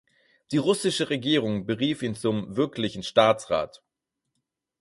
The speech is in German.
Die russische Regierung berief ihn zum "wirklichen Staatsrat".